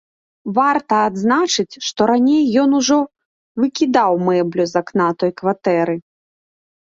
Варта адзначыць, што раней ён ужо выкідаў мэблю з акна той кватэры.